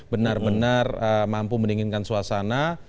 benar benar mampu mendinginkan suasana